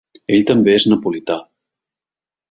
Ell també és napolità.